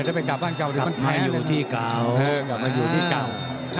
ถ้าเป็นกลับบ้านเก่าอยู่ที่เก่าเออกลับมาอยู่ที่เก่าอ่า